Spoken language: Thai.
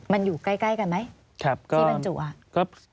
มันอยู่ใกล้กันไหมที่มันจัว